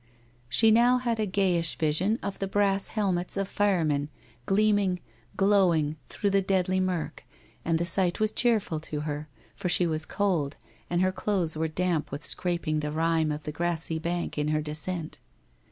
She now had a gayish vision of the brass helmets of fire men gleaming, glowing through the deadly mirk, and the sight was cheerful to her, for she was cold, and her clothes were damp with scraping the rime of the grassy bank in her descent.